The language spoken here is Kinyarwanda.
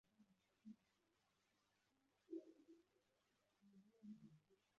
Umukobwa arakonje nyuma yo kuva muri pisine kandi yitwikiriye igitambaro